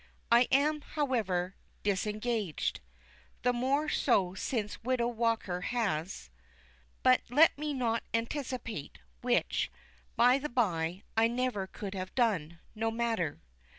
I am, however, "disengaged;" the more so since Widow Walker has . But let me not anticipate; which, by the bye, I never could have done no matter.